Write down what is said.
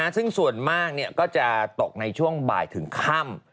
ซึ่งส่วนมากก็จะตกในช่วงบ่ายถึงค่ำ